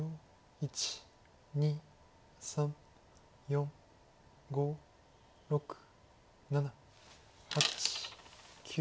１２３４５６７８９。